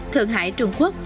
thượng hải trung quốc